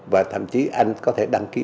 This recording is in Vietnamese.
và thậm chí anh có thể đăng ký